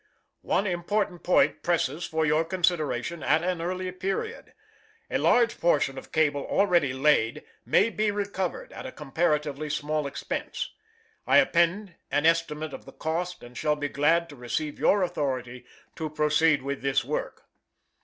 One important point presses for your consideration at an early period. A large portion of cable already laid may be recovered at a comparatively small expense. I append an estimate of the cost, and shall be glad to receive your authority to proceed with this work.